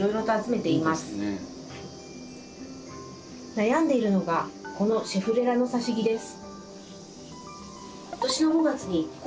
悩んでいるのがこのシェフレラのさし木です。